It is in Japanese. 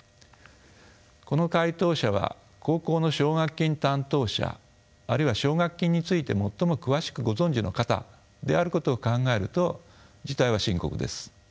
この回答者は高校の奨学金担当者あるいは奨学金について最も詳しくご存じの方であることを考えると事態は深刻です。